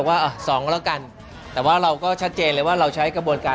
ว่าสองก็แล้วกันแต่ว่าเราก็ชัดเจนเลยว่าเราใช้กระบวนการ